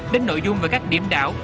đến nội dung về các điểm đảo